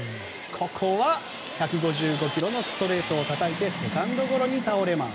ここは１５５キロのストレートをたたいてセカンドゴロに倒れます。